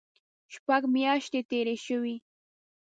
شپږ میاشتې تېرې شوې.